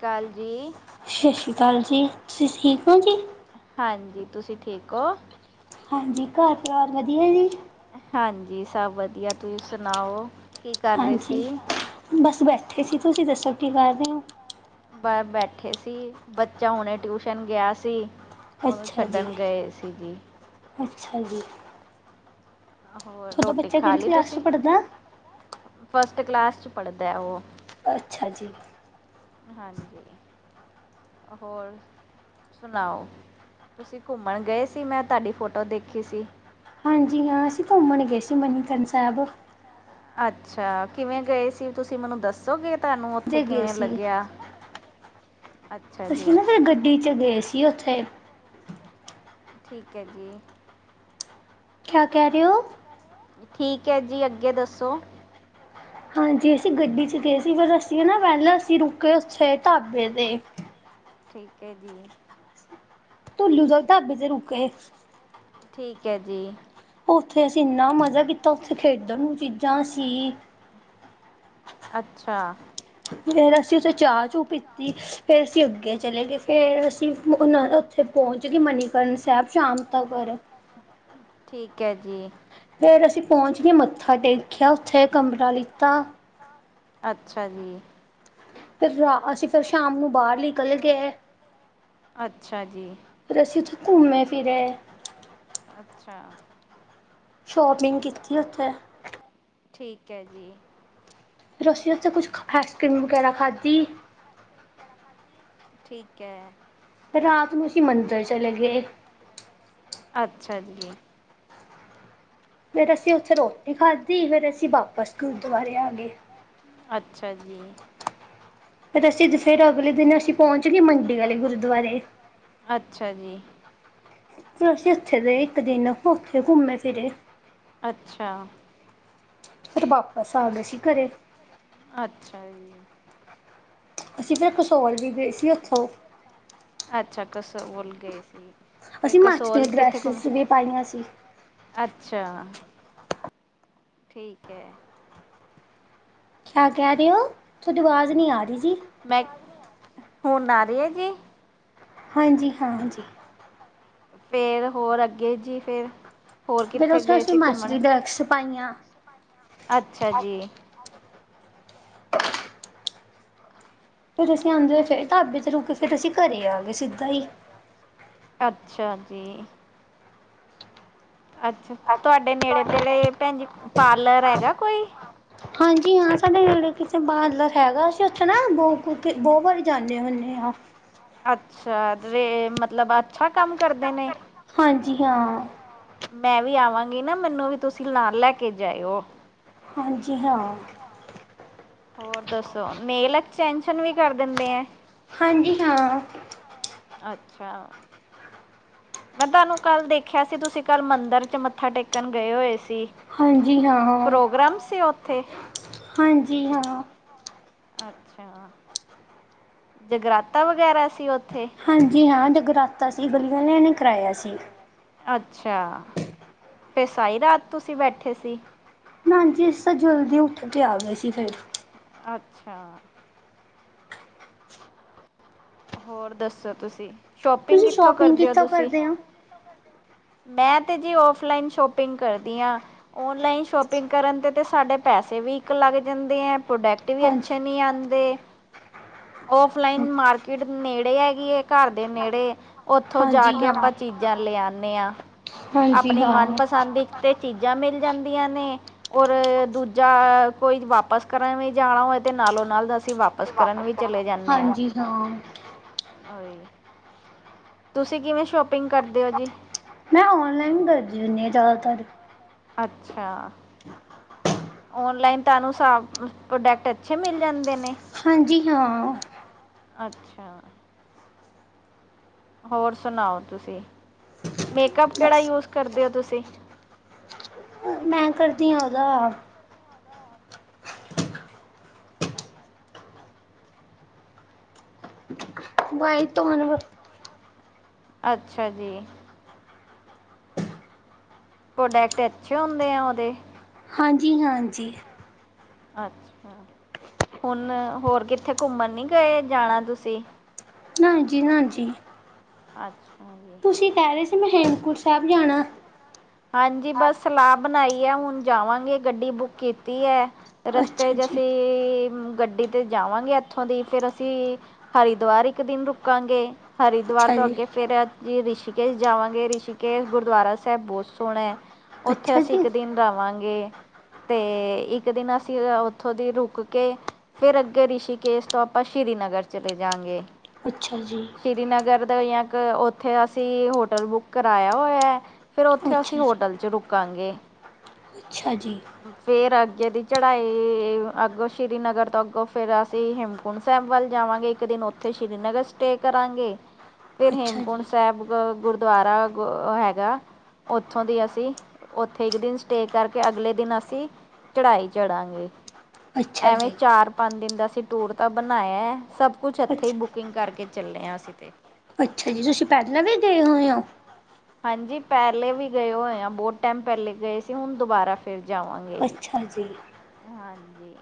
ਕਾਲ ਜੀ। ਸਤਿ ਸ਼੍ਰੀ ਅਕਾਲ ਜੀ, ਤੁਸੀਂ ਠੀਕ ਹੋ ਜੀ। ਹਾਂਜੀ ਤੁਸੀਂ ਠੀਕ ਹੋ। ਹਾਂਜੀ ਘਰ ਪਰਿਵਾਰ ਵਧੀਆ ਜੀ। ਹਾਂਜੀ ਸਭ ਵਧੀਆ ਤੁਸੀਂ ਸੁਣਾਓ। ਕੀ ਕਰ ਰਹੇ ਹਾਂਜੀ ਸੀ ਬਸ ਬੈਠੇ ਸੀ ਤੁਸੀਂ ਦੱਸੋ ਕੀ ਕਰ ਰਹੇ ਹੋ? ਬਹ ਬੈਠੇ ਸੀ ਬੱਚਾ ਹੁਣੇ ਟਿਊਸ਼ਨ ਗਿਆ ਸੀ। ਉਹਨੂੰ ਅੱਛਾ ਜੀ, ਛੱਡਣ ਗਏ ਸੀ ਜੀ ਅੱਛਾ ਜੀ। ਹੋਰ ਤੁਹਾਡਾ ਰੋਟੀ ਬੱਚਾ ਖਾ ਕਿਹੜੀ ਲਈ ਕਲਾਸ 'ਚ ਤੁਸੀ, ਪੜ੍ਹਦਾ ਫਸਟ ਕਲਾਸ 'ਚ' ਪੜ੍ਹਦਾ ਉਹ। ਅੱਛਾ ਜੀ। ਹਾਂਜੀ ਹੋਰ। ਸੁਣਾਓ, ਤੁਸੀਂ ਘੁੰਮਣ ਗਏ ਸੀ ਮੈਂ ਤੁਹਾਡੀ ਫੋਟੋ ਦੇਖੀ ਸੀ। ਹਾਂਜੀ ਹਾਂ, ਅਸੀਂ ਘੁੰਮਣ ਗਏ ਸੀ ਮਨੀਕਰਨ ਸਾਹਿਬ। ਅੱਛਾ, ਕਿਵੇਂ ਗਏ ਸੀ ਤੁਸੀਂ ਮੈਨੂੰ ਦੱਸੋਗੇ? ਤੁਹਾਨੂੰ ਉੱਥੇ ਤੇ ਗਏ ਕਿਵੇਂ ਸੀ ਲੱਗਿਆ? ਅੱਛਾ ਜੀ। ਟੀਚਰ ਗਏ ਸੀ ਉੱਥੇ। ਠੀਕ ਏ ਜੀ। ਕਿਆ ਕਹਿ ਰਹੇ ਹੋ। ਠੀਕ ਐ ਜੀ ਅੱਗੇ ਦੱਸੋ। ਹਾਂਜੀ ਅਸੀਂ ਗੱਡੀ 'ਚ' ਗਏ ਸੀ ਫਿਰ ਅਸੀਂ ਨਾ ਪਹਿਲਾਂ ਅਸੀਂ ਰੁਕੇ ਉੱਥੇ ਢਾਬੇ ਤੇ। ਠੀਕ ਹੈ ਜੀ‌। ਤੁੁੱਲੂ ਦੇ ਢਾਬੇ ਤੇ ਰੁਕੇ। ਠੀਕ ਐ ਜੀ। ਉੱਥੇ ਅਸੀਂ ਇੰਨਾ ਮਜ਼ਾ ਕੀਤਾ ਉੱਥੇ ਖੇਡਣ ਨੂੰ ਚੀਜ਼ਾਂ ਸੀ‌। ਅੱਛਾ। ਫਿਰ ਅਸੀਂ ਉੱਥੇ ਚਾਹ- ਚੂ ਪੀਤੀ। ਫ਼ਿਰ ਅਸੀਂ ਅੱਗੇ ਚਲੇ ਗਏ ਫਿਰ ਅਸੀਂ ਉਨ ਉੱਥੇ ਪਹੁੰਚ ਗਏ ਮਨੀਕਰਨ ਸਾਹਿਬ ਸ਼ਾਮ ਤੱਕਰ ਠੀਕ ਐ ਜੀ। ਫਿਰ ਅਸੀਂ ਪਹੁੰਚ ਗਏ ਮੱਥਾ ਟੇਕਿਆ ਉੱਥੇ ਕਮਰਾ ਲਿੱਤਾ। ਅੱਛਾ ਜੀ। ਫਿਰ ਰ ਅਸੀਂ ਫਿਰ ਸ਼ਾਮ ਨੂੰ ਬਾਹਰ ਨਿਕਲ ਗਏ। [inaudible] ਅੱਛਾ ਜੀ। ਫਿਰ ਅਸੀਂ ਉੱਥੇ ਘੁੰਮੇ ਫਿਰੇ। ਅੱਛਾ। ਸ਼ੋਪਿੰਗ ਕੀਤੀ ਉੱਥੇ। ਠੀਕ ਐ ਜੀ। ਫਿਰ ਉੱਥੇ ਕੁਛ ਆਈਸਕ੍ਰੀਮ ਵਗੈਰਾ ਖਾਧੀ। ਆਇਸਕ੍ਰੀਮ ਵਗੈਰਾ ਖਾਂਦੀ, ਠੀਕ ਹੈ। ਫਿਰ ਰਾਤ ਨੂੰ ਅਸੀਂ ਮੰਦਿਰ ਚਲੇ ਗਏ। ਅੱਛਾ ਜੀ। ਫਿਰ ਅਸੀ ਉੱਥੇ ਰੋਟੀ ਖਾ ਤੇ ਫਿਰ ਅਸੀਂ ਵਾਪਸ ਗੁਰਦੁਆਰੇ ਆ ਗਏ। ਅੱਛਾ ਜੀ ਫਿਰ ਅਸੀਂ ਫਿਰ ਅਗਲੇ ਦਿਨ ਅਸੀਂ ਪਹੁੰਚ ਗਏ ਮੰਡੀ ਵਾਲੇ ਗੁਰਦੁਆਰੇ ਅੱਛਾ ਜੀ। ਫਿਰ ਅਸੀਂ ਉੱਥੇ ਦੇ ਇੱਕ ਦਿਨ ਉੱਥੇ ਘੁੰਮੇ ਫਿਰੇ ਅੱਛਾ। ਫਿਰ ਵਾਪਸ ਆ ਗਏ ਸੀ ਘਰੇ। ਅੱਛਾ ਅਸੀਂ ਫਿਰ ਕਸੋਲ ਵੀ ਗਏ ਸੀ ਉੱਥੋਂ ਅੱਛਾ ਕਸੋਲ ਗਏ ਸੀ। ਫਿਰ ਅਸੀਂ ਹਿਮਾਚਲੀ ਕਸੋਲ ਕਿੱਥੇ ਘੁੰਮ ਡਰੈਸਿਸ ਵੀ ਪਾਈਆਂ ਸੀ। ਅੱਛਾ ਠੀਕ ਹੈ। ਕਿਆ ਕਹਿ ਰਹੇ ਹੋ, ਥੋਡੀ ਆਵਾਜ਼ ਨਹੀਂ ਆ ਰਹੀ ਜੀ। ਮੈਂ [inaudible] ਹੁਣ ਆ ਰਹੀ ਹੈ ਜੀ। ਹਾਂਜੀ ਹਾਂ ਜੀ। ਫੇਰ ਹੋਰ ਅੱਗੇ ਜੀ ਫੇਰ [inaudible] ਹੋਰ ਫਿਰ ਕਿੱਥੇ ਉੱਥੇ ਗਏ ਅਸੀਂ ਸੀ ਘੁੰਮਣ। [unintelligible] ਅੱਛਾ ਜੀ ਫੇਰ ਅਸੀਂ ਆਉਂਦੇ ਫਿਰ ਢਾਬੇ ਤੇ ਰੁਕੇ ਫਿਰ ਅਸੀਂ ਘਰੇ ਆ ਗਏ ਸਿੱਧਾ ਹੀ। ਅੱਛਾ ਜੀ ਅੱਛਾ ਤੁਹਾਡੇ ਨੇੜੇ ਤੇੜੇ ਭੈਣਜੀ ਪਾਰਲਰ ਹੈਗਾ ਕੋਈ। ਹਾਂਜੀ ਹਾਂ ਸਾਡੇ ਨੇੜੇ ਕਿ ਪਾਰਲਰ ਹੈਗਾ ਅਸੀਂ ਉੱਥੇ ਨਾ ਬਹੁ ਬਹੁਤ ਵਾਰੀ ਜਾਂਦੇ ਹੁੰਦੇ ਹਾਂ। ਅੱਛਾ ਤੇ ਮਤਲਬ ਅੱਛਾ ਕੰਮ ਕਰਦੇ ਨੇ। ਹਾਂਜੀ ਹਾਂ। ਮੈਂ ਵੀ ਆਵਾਂਗੀ ਨਾ ਮੈਨੂੰ ਵੀ ਤੁਸੀਂ ਨਾਲ ਲੈ ਕੇ ਜਾਇਓ। ਹਾਂਜੀ ਹਾਂ ਹੋਰ ਦੱਸੋ ਨੇਲ ਐਕਟੈਂਸ਼ਨ ਵੀ ਕਰ ਦਿੰਦੇ ਆ। ਹਾਂਜੀ ਹਾਂ। ਅੱਛਾ ਮੈਂ ਤੁਹਾਨੂੰ ਕੱਲ ਦੇਖਿਆ ਸੀ ਤੁਸੀਂ ਕੱਲ ਮੰਦਿਰ ਚ ਮੱਥਾ ਟੇਕਣ ਗਏ ਹੋਏ ਸੀ। ਹਾਂਜੀ ਹਾਂ ਪ੍ਰੋਗਰਾਮ ਸੀ ਉੱਥੇ ਹਾਂਜੀ ਹਾਂ। ਅੱਛਾ, ਜਗਰਾਤਾ ਵਗੈਰਾ ਸੀ ਉੱਥੇ। ਹਾਂਜੀ ਹਾਂ ਜਗਰਾਤਾ ਸੀ ਬੱਲੋ ਵਾਲਿਆਂ ਨੇ ਕਰਾਇਆ ਸੀ। ਅੱਛਾ, ਫਿਰ ਸਹੀ ਰਾਤ ਤੁਸੀਂ ਬੈਠੇ ਸੀ। ਨਾਂ ਜੀ ਇਸ ਤਾਂ ਜਲਦੀ ਉੱਠ ਕੇ ਆ ਗਏ ਸੀ ਫਿਰ। ਅੱਛਾ ਹੋਰ ਦੱਸੋ ਤੁਸੀਂ ਸ਼ੋਪਿੰਗ ਤੁਸੀਂ ਕਿੱਥੋਂ ਸ਼ੋਪਿੰਗ ਕਰਦੇ ਹੋ ਕਿੱਥੋਂ ਤੁਸੀਂ? ਕਰਦੇ [inaudible] ਮੈਂ ਤੇ ਜੀ ਔਫਲਾਈਨ ਸ਼ੋਪਿੰਗ ਕਰਦੀ ਆਂ। ਆਨਲਾਈਨ ਸ਼ੋਪਿੰਗ ਕਰਨ ਤੇ ਤਾਂ ਸਾਡੇ ਪੈਸੇ ਵੀ ਇੱਕ ਲਗ ਜਾਂਦੇ ਆ ਪ੍ਰੋਕ ਵੀ ਹਾਂਜੀ, ਅੱਛੇ ਨ ਆਉਂਦੇ ਔਫਲਾਈਨ ਮਾਰ ਕਿੜ ਨੇੜੇ ਹੈਗੀ ਇਹ ਘਰ ਦੇ ਨੇੜੇ ਉੱਥੋਂ ਜਾ ਹਾਂਜੀ ਕੇ ਹਾਂ। ਆਪਾਂ ਚੀਜ਼ਾਂ ਲੈ ਆਨੈ ਆਂ। ਹਾਂਜੀ ਆਪਣੀ ਹਾਂ, ਮਨਪਸੰਦ ਇੱਕ ਤੇ ਚੀਜ਼ਾਂ ਮਿਲ ਜਾਂਦੀਆਂ ਨੇ। ਔਰ ਦੂਜਾ ਕੋਈ ਵਾਪਸ ਕਰਾਂ ਵੀ ਜਾਣਾ ਹੋਏ ਤੇ ਨਾਲੋਂ ਨਾਲ ਅਸੀਂ ਵਾਪ ਬੱਸ ਕਰਨ ਵੀ ਚਲੇ ਜਾਂਦੇ ਆਂ। ਹਾਂਜੀ ਹਾਂ। ਓਏ, ਤੁਸੀਂ ਕਿਵੇਂ ਸ਼ੋਪਿੰਗ ਕਰਦੇ ਹੋ ਜੀ? ਮੈਂ ਔਨਲਾਈਨ ਕਰਦੀ ਹੁਣੀ ਆ ਜ਼ਿਆਦਾਤਰ। ਅੱਛਾ। ਔਨਲਾਈਨ ਤੁਹਾਨੂੰ ਸਭ, ਪ੍ਰੋਡਕਟ ਅੱਛੇ ਮਿਲ ਜਾਂਦੇ ਨੇ। ਹਾਂਜੀ ਹਾਂ। ਅੱਛਾ। ਹੋਰ ਸੁਣਾਓ ਤੁਸੀਂ, ਮੇਕਅੱਪ ਕਿਹੜਾ ਬਸ। ਯੂਜ ਕਰਦੇ ਓ ਤੁਸੀਂ। ਮੈਂ ਕਰਦੀ ਆ ਉਹਦਾ ਬਾਈ [unintelligible] ਅੱਛਾ ਜੀ। ਪ੍ਰੋਡਕਟ ਅੱਛੇ ਹੁੰਦੇ ਆ ਉਹਦੇ। ਹਾਂਜੀ-ਹਾਂਜੀ। ਅੱਛਾ। ਹੁਣ, ਹੋਰ ਕਿੱਥੇ ਘੁੰਮਣ ਨੀ ਗਏ ਜਾਣਾ ਤੁਸੀਂ। ਨਾਜੀ, ਨਾ ਜੀ। ਅੱਛਾ ਜੀ। ਤੁਸੀਂ ਕਹਿ ਰਹੇ ਸੀ ਮੈਂ ਹੇਮਕੁੰਟ ਸਾਹਿਬ ਜਾਣਾ। ਹਾਂਜੀ ਬੱਸ ਸਲਾਹ ਬਣਾਈ ਐ ਹੁਣ ਜਾਵਾਂਗੇ ਗੱਡੀ ਬੁੱਕ ਕੀਤੀ ਐ। ਰਸਤੇ ਅੱਛਾ 'ਚ' ਜੀ, ਅਸੀਂ, ਗੱਡੀ ਤੇ ਜਾਵਾਂਗੇ ਇੱਥੋਂ ਦੀ ਫੇਰ ਅਸੀਂ ਹਰਿਦੁਵਾਰ ਇੱਕ ਦਿਨ ਰੁਕਾਂਗੇ ਹਰਿਦੁਵਾਰ ਅੱਛਾ ਤੋਂ ਜੀ, ਅੱਗੇ ਫਿਰ ਅਸੀ ਰਿਸ਼ੀਕੇਸ਼ ਜਾਵਾਂਗੇ ਰਿਸ਼ੀਕੇਸ਼ ਗੁਰਦੁਆਰਾ ਸਾਹਿਬ ਬਹੁਤ ਸੋਹਣਾ। ਉੱਥੇ ਅੱਛਾ ਅਸੀਂ ਜੀ। ਇੱਕ ਦਿਨ ਰਵਾਂਗੇ। ਤੇ ਇੱਕ ਦਿਨ ਅਸੀਂ ਉੱਥੋਂ ਦੀ ਰੁਕ ਕੇ ਫਿਰ ਅੱਗੇ ਰਿਸ਼ੀਕੇਸ਼ ਤੋਂ ਆਪਾਂ ਸ਼੍ਰੀਨਗਰ ਚਲੇ ਜਾ ਗੇ। ਅੱਛਾ ਜੀ। ਸ੍ਰੀਨਗਰ ਦਾ ਜਾਂ ਕੇ ਉੱਥੇ ਅਸੀਂ ਹੋਟਲ ਬੁੱਕ ਕਰਾਇਆ ਹੋਇਆ। ਫਿਰ ਉੱਥੇ ਅਸੀਂ ਅੱਛਾ ਜੀ, ਹੋਟਲ 'ਚ' ਰੁਕਾਂਗੇ। ਅੱਛਾ ਜੀ। ਫੇਰ ਅੱਗੇ ਦੀ ਚੜ੍ਹਾਈ, ਅੱਗੋਂ ਸ੍ਰੀਨਗਰ ਤੋਂ ਅੱਗੋਂ ਫੇਰ ਅਸੀਂ ਹੇਮ ਕੁੰਡ ਸਾਹਿਬ ਵੱਲ ਜਾਵਾਂਗੇ ਇੱਕ ਦਿਨ ਉੱਥੇ ਸ਼੍ਰੀਨਗਰ ਸਟੇ ਕਰਾਂਗੇ, ਫੇਰ ਅੱਛਾ ਜੀ। ਹੇਮਕੁੰਟ ਸਾਹਿਬ ਅ ਗੁਰਦੁਆਰਾ ਗ ਹੈਗਾ। ਉੱਥੋਂ ਦੀ ਅਸੀਂ, ਉੱਥੇ ਇੱਕ ਦਿਨ ਸਟੇ ਕਰਕੇ ਅਗਲੇ ਦਿਨ ਅਸੀਂ ਚੜਾਈ ਚੜਾਂਗੇ, ਅੱਛਾ ਐਵੇਂ ਜੀ, ਚਾਰ ਪੰਜ ਦਿਨ ਦਾ ਅਸੀਂ ਟੂਰ ਤਾਂ ਬਣਾਇਆ ਸਭ ਕੁਛ ਇੱਥੇ ਹੀ ਅੱਛਾ ਬੁਕਿੰਗ ਕਰਕੇ ਚੱਲੇ ਆ ਅਸੀਂ ਤੇ। ਅੱਛਾ ਜੀ, ਤੁਸੀਂ ਪਹਿਲਾਂ ਵੀ ਗਏ ਹੋਏ ਓ? ਹਾਂਜੀ ਪਹਿਲੇ ਵੀ ਗਏ ਹੋਏ ਆ ਬਹੁਤ ਟਾਈਮ ਪਹਿਲੇ ਗਏ ਸੀ ਹੁਣ ਦੁਬਾਰਾ ਫਿਰ ਜਾਵਾਂਗੇ, ਅੱਛਾ ਜੀ, [inaudible] ਹਾਂਜੀ।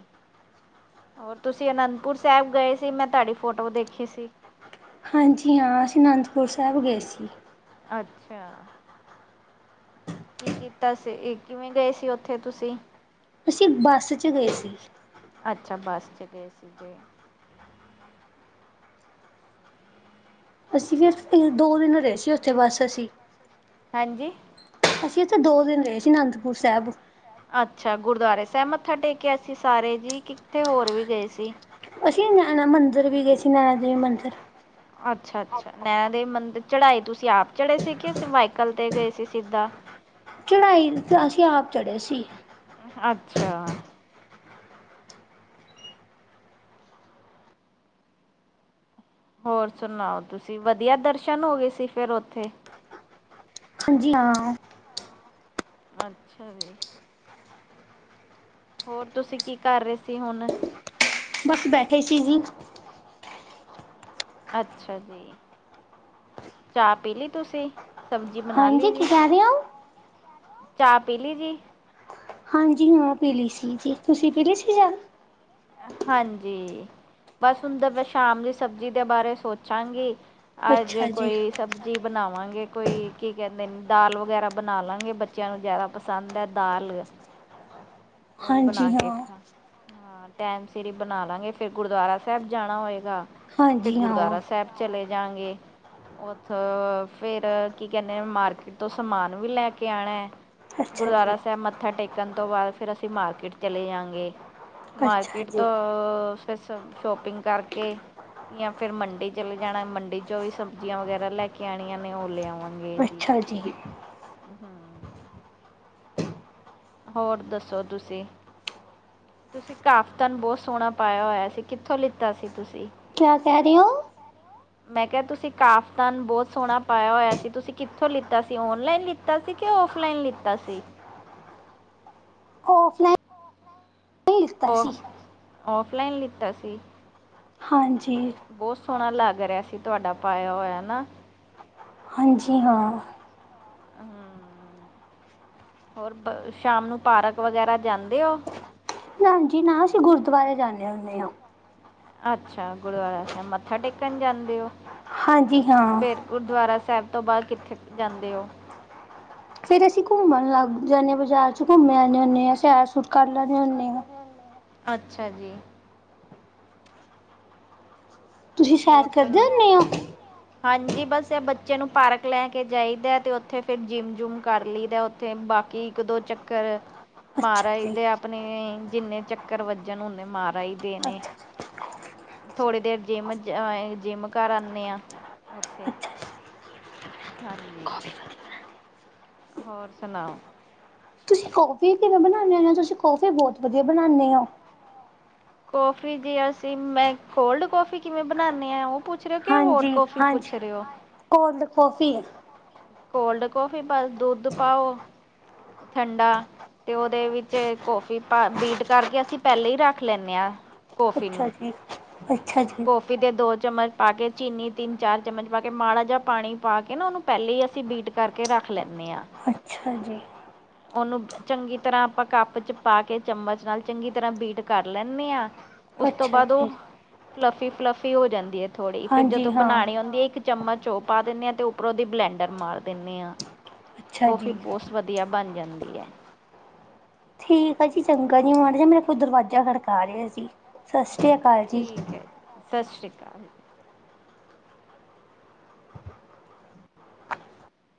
ਹੋਰ ਤੁਸੀਂ ਅਨੰਦਪੁਰ ਸਾਹਿਬ ਗਏ ਸੀ ਮੈਂ ਤੁਹਾਡੀ ਫੋਟੋ ਦੇਖੀ ਸੀ। ਹਾਂਜੀ ਹਾਂ, ਅਸੀਂ ਅਨੰਦਪੁਰ ਸਾਹਿਬ ਗਏ ਸੀ। ਅੱਛਿਆ। ਕੀ ਕੀਤਾ ਸੀ, ਕਿਵੇਂ ਗਏ ਸੀ ਉੱਥੇ ਤੁਸੀਂ। ਅਸੀ ਬੱਸ 'ਚ' ਗਏ ਸੀ। ਅੱਛਾ, ਬੱਸ 'ਚ' ਗਏ ਸੀਗੇ। ਅਸੀਂ ਫਿਰ ਦੋ ਦਿਨ ਰਹੇ ਸੀ ਉੱਥੇ ਬੱਸ ਅਸੀਂ। ਹੈਂਜੀ। ਅਸੀਂ ਇੱਥੇ ਦੋ ਦਿਨ ਰਹੇ ਸੀ 'ਅਨੰਦਪੁਰ ਸਾਹਿਬ,। ਅੱਛਾ ਗੁਰਦੁਆਰੇ ਸਾਹਿਬ ਮੱਥਾ ਟੇਕਿਆ ਸੀਂ ਸਾਰੇ ਜੀ, ਕਿੱਥੇ ਹੋਰ ਵੀ ਗਏ ਸੀ? ਅਸੀਂ ਨੈਣਾ ਮੰਦਰ ਵੀ ਗਏ ਸੀ। ਨੈਣਾ ਦੇਵੀ ਮੰਦਰ ਅੱਛਾ -ਅੱਛਾ ਨੈਣਾ ਦੇਵੀ ਮੰਦਰ ਚੜਾਈ ਤੁਸੀਂ ਆਪ ਚੜ੍ਹੇ ਸੀਗੇ ਸਮਾਈਕਲ ਤੇ ਗਏ ਸੀ ਸਿੱਧਾ। ਚੜ੍ਹਾਈ ਅਸੀਂ ਆਪ ਚੜ੍ਹੇ ਸੀ। ਅੱਛਾ। ਹੋਰ ਸੁਣਾਓ? ਤੁਸੀਂ ਵਧੀਆ ਦਰਸ਼ਨ ਹੋ ਗਏ ਸੀ ਫਿਰ ਉੱਥੇ। ਹਾਂਜੀ - ਹਾਂ। ਅੱਛਾ ਜੀ। ਹੋਰ ਤੁਸੀਂ ਕੀ ਕਰ ਰਹੇ ਸੀ ਹੁਣ? ਬਸ ਬੈਠੇ ਸੀ ਜੀ। ਅੱਛਾ ਜੀ, ਚਾਹ ਪੀ ਲੀ ਤੁਸੀ? ਹਾਂਜੀ, ਕੀ ਕਹਿ ਰਹੇ ਓ। ਚਾਹ ਪੀ ਲੀ ਜੀ। ਹਾਂਜੀ ਮੈਂ ਪੀਲੀ ਸੀ ਜੀ। ਤੁਸੀਂ ਪੀਲੀ ਸੀ ਜਦ ਹਾਂਜੀ, ਬਸ ਹੁਣ ਤਾ ਮੈਂ ਸ਼ਾਮ ਦੀ ਸਬਜ਼ੀ ਦੇ ਬਾਰੇ ਸੋਚਾਗੇ। ਅੱਜ ਅੱਛਾ ਜੀ। ਕੋਈ ਸਬਜ ਵੀ ਬਣਾਵਾਂਗੇ ਕੋਈ ਕੀ ਕਹਿੰਦੇ ਨੇ ਦਾਲ ਵਗੈਰਾ ਬਣਾ ਲਵਾਂਗੇ। ਬੱਚਿਆਂ ਨੂੰ ਜ਼ਿਆਦਾ ਪਸੰਦ ਐ ਦਾਲ। ਓਹੀ ਹਾਂਜੀ ਬਣਾ ਕੇ, ਹਾਂ, ਖਾ ਕੇ, ਟੈਮ ਸਿਰ ਈ ਬਣਾ ਲਾ ਗੇ, ਫਿਰ ਗੁਰਦੁਆਰਾ ਸਾਹਿਬ ਜਾਣਾ ਹੋਏਗਾ। ਤੇ ਹਾਂਜੀ ਹਾਂ। ਗੁਰਦੁਆਰਾ ਸਾਹਿਬ ਚਲੇ ਜਾ ਗੇ। ਉਥੋ ਫੇਰ ਕੀ ਕਹਿੰਦੇ ਮਾਰਕੀਟ ਤੋਂ ਸਮਾਨ ਵੀ ਲੈ ਕੇ ਆਣਾ। ਅੱਛਾ ਗੁਰਦੁਆਰਾ ਜੀ, ਸਾਹਿਬ ਮੱਥਾ ਟੇਕਣ ਤੋਂ ਬਾਅਦ ਫਿਰ ਅਸੀਂ ਮਾਰਕੀਟ ਚਲੇ ਜਾਂਗੇ। ਅੱਛਾ ਮਾਰਕੀਟ ਜੀ, ਤੋਂ ਫਿਰ ਸ਼ੋਪਿੰਗ ਕਰਕੇ ਜਾ ਫਿਰ ਮੰਡੀੇ ਚਲੇ ਜਾਣਾ। ਮੰਡੀ 'ਚੋ ਵੀ ਸਬਜ਼ੀਆਂ ਵਗੈਰਾ ਲੈ ਕੇ ਆਂਣੀਆਂ ਨੇ ਉਹ ਲੈ ਆਵਾਂਗੇ। ਅੱਛਾ ਜੀ। ਹੂੰ। ਹੋਰ ਦੱਸੋ ਤੁਸੀਂ? ਤੁਸੀਂ ਕਾਫਤਨ ਬਹੁਤ ਸੋਹਣਾ ਪਾਇਆ ਹੋਇਆ ਸੀ। ਕਿੱਥੋਂ ਲਿੱਤਾ ਸੀ ਤੁਸੀਂ? ਕਿਆ ਕਹਿ ਰਹੇ ਓ! ਮੈਂ ਕਿਹਾ ਤੁਸੀਂ ਕਾਫਤਨ ਬਹੁਤ ਸੋਹਣਾ ਪਾਇਆ ਹੋਇਆ ਸੀ। ਤੁਸੀਂ ਕਿੱਥੋਂ ਲਿੱਤਾ ਸੀ ਔਨਲਾਈਨ ਲ ਔਫਲਾਈਨ ਲਿੱਤਾ ਸੀ ਕਿ ਐਨ ਲਾਇਨ ਲਿੱਤਾ ਸੀ। ਔਫ। ਔਫ-ਔਫਲਾਈਨ ਲੀਤਾ ਸੀ। ਹਾਂਜੀ। ਬਹੁਤ ਸੋਹਣਾ ਲੱਗ ਰਿਹਾ ਸੀ ਤੁਹਾਡਾ ਪਾਇਆ ਹੋਇਆ ਨਾ। ਹਾਂਜੀ- ਹਾਂ। ਹੂੰ, ਹੋਰ ਸ਼ਾਮ ਨੂੰ ਪਾਰਕ ਵਗੈਰਾ ਜਾਂਦੇ ਓ। ਨਾਂਜੀ, ਨਾ ਅਸੀਂ ਗੁਰਦੁਆਰੇ ਜਾਂਦੇ ਹੁਨੇ ਆ। ਅੱਛਾ, ਗੁਰਦੁਆਰਾ ਸਾਹਿਬ ਮੱਥਾ ਟੇਕਣ ਜਾਂਦੇ ਓ। ਹਾਂਜੀ- ਹਾਂ। ਗੁਰਦੁਆਰਾ ਸਾਹਿਬ ਤੋਂ ਬਾਅਦ ਕਿੱਥੇ ਕਿ ਜਾਂਦੇ ਓ? ਫੇਰ ਅਸੀਂ ਘੁੰਮਣ ਲੱਗ ਜਾਨੇ ਆ ਬਜ਼ਾਰ ਚ ਘੁੰਮੇ ਆਉਣੇ ਹੁੰਦੇ ਆ। ਸੈਰ - ਸੂਰ ਕਰ ਲੈਂਦੇ ਹੁੰਦੇ ਹਾਂ। [unintelligible] ਅੱਛਾ ਜੀ। ਤੁਸੀਂ ਹੋਰ ਸੈਰ ਸੁਣ, ਕਰਦੇ ਤੁਸੀਂ ਪਾਠ ਹੁੰਦੇ ਕਰਦੇ ਹੋ? ਹੁੰਦੇ ਓ? ਹਾਂਜੀ ਬਸ ਇਹ ਬੱਚੇ ਨੂੰ ਪਾਰਕ ਲੈ ਕੇ ਜਾਈਦਾ ਤੇ ਉੱਥੇ ਫਿਰ ਜਿੰਮ-ਜੁਮ ਕਰ ਲਈਦਾ। ਤੇ ਬਾਕੀ ਇੱਕ ਦੋ ਚੱਕਰ। ਮਾਰ ਅੱਛਾ ਜੀ, ਆਈਦੇ ਆਪਣੇ ਜਿੰਨੇ ਚੱਕਰ ਵੱਜਣ ਓਨੇ ਮਾਰ ਆਈ ਦੇ ਦੇ ਨੇ। ਅੱਛਾ। ਥੋੜ੍ਹੀ ਦੇਰ ਜਿੰਮ, ਜਿੰਮ ਕਰ ਆਨੇ ਆ ਓਥੇ। ਅੱਛਾ ਹਾਂਜੀ। ਹੋਰ ਸੁਣਾਓ। ਤੁਸੀਂ ਕੌਫੀ ਕਿਵੇਂ ਬਣਾਦੇ ਆ, ਤੁਸੀਂ ਕੌਫੀ ਬਹੁਤ ਵਧੀਆ ਬਣਾਦੇ ਆ। ਕੌਫੀ ਜੀ, ਅਸੀਂ ਮੈਂ ਕੋਲਡ ਕੌਫੀ ਕਿਵੇਂ ਬਣਾਦੀ ਆ ਉਹ ਪੁੱਛ ਰਹੇ ਓ ਕਿ ਹੌਟ ਹਾਂਜੀ ਕੌਫੀ ਹਾਂਜੀ ਪੁੱਛ ਰਹੇ ਓ? Cold coffee. ਕੋਲਡ ਕੌਫ਼ੀ ਬਸ ਦੁੱਧ ਪਾਓ ਠੰਡਾ। ਤੇ ਉਹਦੇ ਵਿੱਚ ਕੌਫੀ ਪਾ ਬੀਟ ਕਰਕੇ ਅਸੀਂ ਪਹਿਲਾਂ ਈ ਰੱਖ ਲੈਂਦੇ ਆ ਕੌਫੀ ਅੱਛਾ ਨੂੰ। ਜੀ ਅੱਛਾ ਜੀ। ਕਿਤੇ ਦੋ ਚਮਚ ਪਾ ਕੇ ਚੀਨੀ ਤਿੰਨ-ਚਾਰ ਚਮਚ ਪਾ ਕੇ ਮਾੜਾ ਜਿਹਾ ਪਾਣੀ ਪਾ ਕੇ ਨਾ ਉਹਨੂੰ ਪਹਿਲੇ ਈ ਅਸੀਂ ਬੀਟ ਕਰਕੇ ਰੱਖ ਲੈਣੇ ਆ। ਅੱਛਾ ਜੀ। ਉਹਨੂੰ ਚੰਗੀ ਤਰ੍ਹਾਂ ਆਪਾਂ ਕੱਪ ਚ ਪਾ ਕੇ ਚਮਚ ਨਾਲ ਚੰਗੀ ਤਰ੍ਹਾਂ ਬੀਟ ਕਰ ਲੈਣੇ ਆ। ਉਸ ਤੋਂ ਅੱਛਾ ਬਾਅਦ ਉਹ ਜੀ ਫਲੱਫੀ ਫਲੱਫੀ ਹੋ ਜਾਂਦੀ ਆ ਥੋੜ੍ਹੀ ਫੇਰ ਹਾਂਜੀ ਜਦੋਂ ਹਾਂ ਬਣਾਣੀ ਹੁੰਦੀ ਏ ਇੱਕ ਚਮਚ ਉਹ ਪਾ ਦਿੰਦੇ ਆਂ ਤੇ ਉੱਪਰੋਂ ਦੀ ਬਲੈਂਡਰ ਮਾਰ ਦਿੰਦੇ ਆ ਅੱਛਾ ਕੌਫੀ ਜੀ ਬਹੁਤ ਵਧੀਆ ਬਣ ਜਾਂਦੀ ਏ। ਠੀਕ ਆ ਜੀ, ਚੰਗਾ ਜੀ, ਮਾੜਾ ਜਾ ਮੇਰਾ ਕੋਈ ਦਰਵਾਜ਼ਾ ਖੜਕਾ ਰਿਹਾ ਸੀ। ਸਾਸਰੀ ਕਾਲ। ਠੀਕ ਏ, ਸਤਿ ਸ਼੍ਰੀ ਅਕਾਲ।